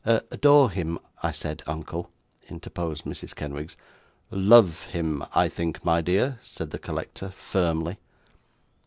'"Adore him," I said, uncle,' interposed Mrs. Kenwigs. '"Love him," I think, my dear,' said the collector, firmly.